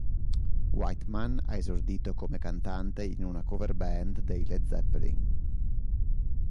Whiteman ha esordito come cantante in una cover band dei Led Zeppelin.